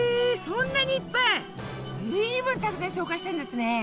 そんなにいっぱい⁉ずいぶんたくさん紹介したんですね。